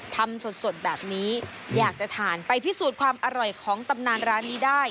ทำสดแบบนี้อยากจะทานไปพิสูจน์ความอร่อยของตำนานร้านนี้ได้